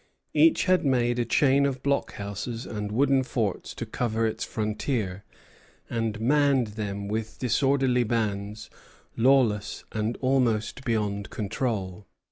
Each had made a chain of blockhouses and wooden forts to cover its frontier, and manned them with disorderly bands, lawless, and almost beyond control.